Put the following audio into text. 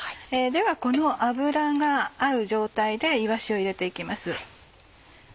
ではこの油がある状態でいわしを入れて行きます。